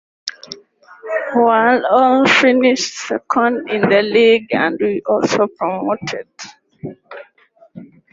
Walsall finished second in the league and were also promoted.